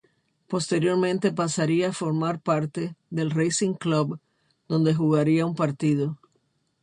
Posteriormente pasaría a formar parte del Racing Club, donde jugaría un partido.